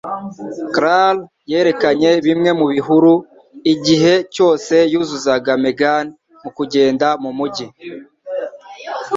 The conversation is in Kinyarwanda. Clara yerekanye bimwe mu bihuru - igihe cyose yuzuzaga Megan mu kugenda mu mujyi.